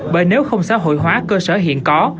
bởi nếu không xã hội hóa cơ sở hiện có